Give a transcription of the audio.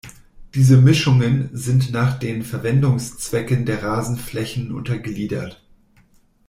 Diese Mischungen sind nach den Verwendungszwecken der Rasenflächen untergliedert.